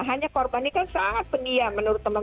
hanya korban ini kan sangat pendiam